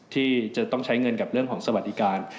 ที่จะต้องใช้เงินกับเรื่องของสวัสดิการ